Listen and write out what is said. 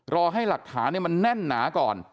รอให้หลักฐานมันแน่นหนาก่อน